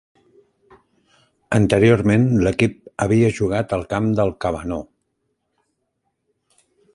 Anteriorment l'equip havia jugat al camp del Kavanaugh.